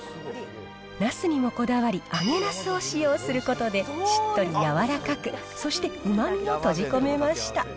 なすにもこだわり、揚げナスを使用することで、しっとり柔らかく、そして、うまみを閉じ込めました。